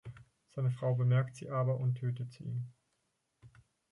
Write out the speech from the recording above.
Seine Frau bemerkt sie aber und tötet sie.